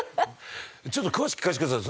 ちょっと詳しく聞かせてください。